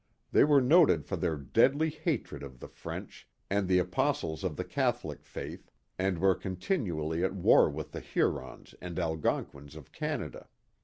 They were noted for their deadly hatred of the French and the apostles of the Catholic faith, and were contin ually at war with the Hurons and Algonquins of Canada.